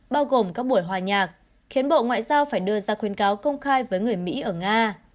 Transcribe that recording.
bao gồm các buổi hòa nhạc khiến bộ ngoại giao phải đưa ra khuyên cáo công khai với người mỹ ở nga